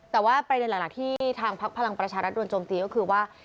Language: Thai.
แต่ว่าประเด็นหลักที่ทางพักพลังประชารัฐโดนโจมตีก็คือว่า